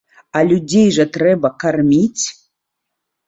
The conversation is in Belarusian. А людзей жа трэба карміць!